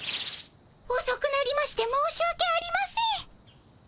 おそくなりまして申しわけありません。